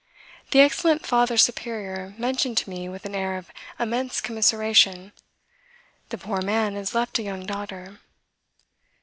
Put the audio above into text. The excellent Father Superior mentioned to me with an air of immense commiseration: "The poor man has left a young daughter."